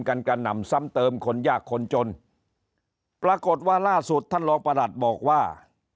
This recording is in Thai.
กระหน่ำซ้ำเติมคนยากคนจนปรากฏว่าล่าสุดท่านรองประหลัดบอกว่า